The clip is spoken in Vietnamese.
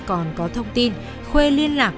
còn có thông tin khuê liên lạc